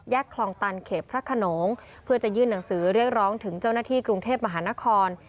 คลองตันเขตพระขนงเพื่อจะยื่นหนังสือเรียกร้องถึงเจ้าหน้าที่กรุงเทพมหานคร